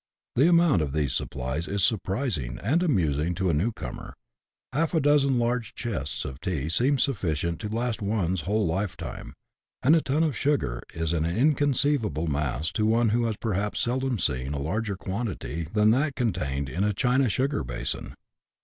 The amount of these supplies is surprising and amusing to a new comer : half a dozen large chests of tea seem sufficient to last one's whole lifetime ; and a ton of sugar is an inconceivable mass to one who has perhaps seldom seen a larger quantity than that contained in a china sugar basin.